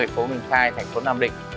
phố nguyên khai thành phố nam định